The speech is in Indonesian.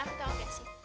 aku tau gak sih